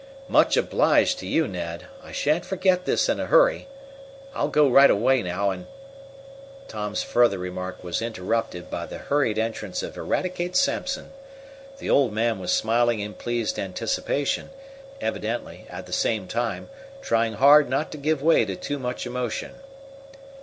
Much obliged to you, Ned. I shan't forget this in a hurry. I'll go right away and " Tom's further remark was interrupted by the hurried entrance of Eradicate Sampson. The old man was smiling in pleased anticipation, evidently, at the same time, trying hard not to give way to too much emotion.